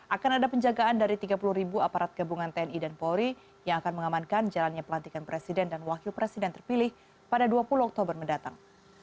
akan ada penjagaan dari tiga puluh aparat gabungan tni dan polri yang akan mengamankan jalannya pelantikan presiden dan wakil presiden terpilih pada dua puluh oktober mendatang